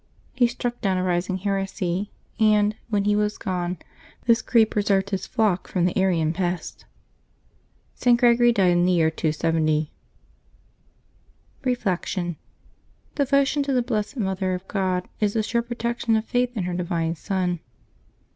He struck down a rising heresy; and, when he was gone, this creed preserved his flock from the Arian pest. St. Gregory died in the year 270. Reflection. — Devotion to the blessed Mother of God is the sure protection of faith in her Divine Son.